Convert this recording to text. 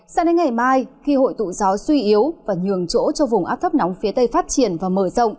sao đến ngày mai khi hội tụ gió suy yếu và nhường chỗ cho vùng áp thấp nóng phía tây phát triển và mở rộng